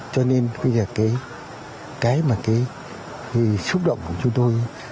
cho nên cái xúc động của chúng tôi